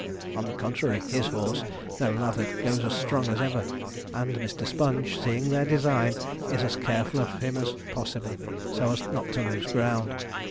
On the contrary, his horse, though lathered goes as strong as ever, and Mr. Sponge, seeing their design, is as careful of him as possible, so as not to lose ground.